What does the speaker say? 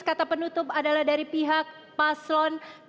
kata penutup adalah dari pihak paslon dua